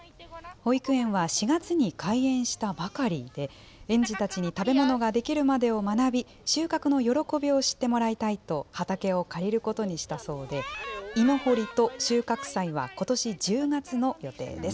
保育園は４月に開園したばかりで、園児たちに食べ物が出来るまでを学び、収穫の喜びを知ってもらいたいと畑を借りることにしたそうで、芋掘りと収穫祭はことし１０月の予定です。